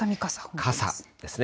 傘ですね。